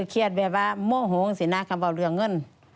เครียดแบบว่าโมโหงสินะคำว่าเรื่องเงิน